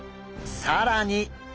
更に！